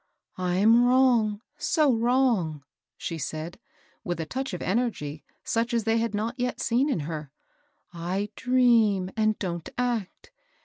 "I'm wrong — so wrong," she said, with a touch of energy such as they had not yet seen in her ;I dream, and don't act.